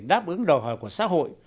đáp ứng đòi hỏi của xã hội